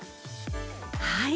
はい。